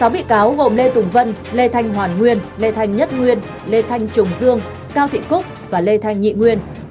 sáu bị cáo gồm lê tùng vân lê thanh hoàn nguyên lê thanh nhất nguyên lê thanh trùng dương cao thị cúc và lê thanh nhị nguyên